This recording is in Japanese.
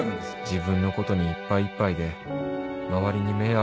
自分のことにいっぱいいっぱいで周りに迷惑かけて